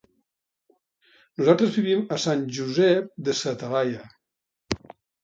Nosaltres vivim a Sant Josep de sa Talaia.